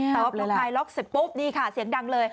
แต่วัดพลายล็อกเสร็จปุ๊บดีค่ะเสียงดังเลย